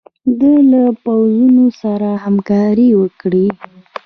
ده له پوځونو سره همکاري وکړي.